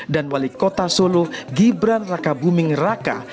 dan wali kota solo gibran raka buming raka